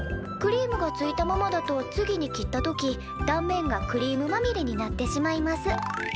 クリームがついたままだと次に切った時断面がクリームまみれになってしまいます。